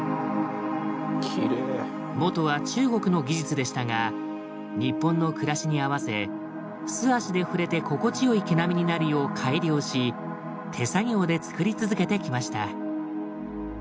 元は中国の技術でしたが日本の暮らしに合わせ素足で触れて心地よい毛並みになるよう改良し手作業でつくり続けてきました。